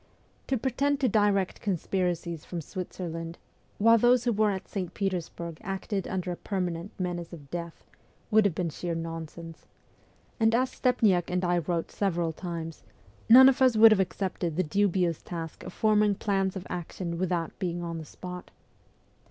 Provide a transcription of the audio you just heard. To pretend to direct conspiracies from Switzerland, while those who were at St. Petersburg acted under a permanent menace of death, would have been sheer nonsense; and as Stepniak and I wrote several times, none of us would have accepted the dubious task of forming plans of action without being on the spot.